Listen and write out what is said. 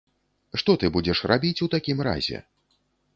Што ты будзеш рабіць у такім разе?